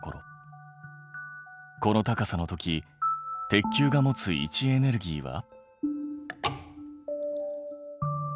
この高さの時鉄球が持つ位置エネルギーは。